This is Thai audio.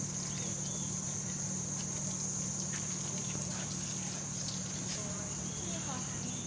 สุดท้ายสุดท้ายสุดท้าย